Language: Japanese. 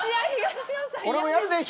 俺もやるよ